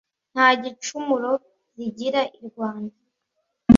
Nta gicumuro zigira I Rwanda